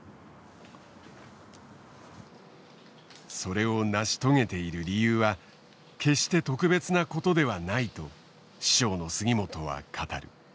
それを成し遂げている理由は決して特別なことではないと師匠の杉本は語る。